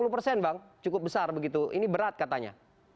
lima puluh persen bang cukup besar begitu ini berat katanya